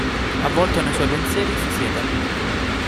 Avvolto dai suoi pensieri, si siede.